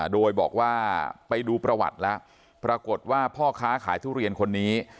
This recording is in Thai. โดยบอกว่าไปดูประวัติแล้วปรากฏว่าพ่อค้าขายทุเรียนคนนี้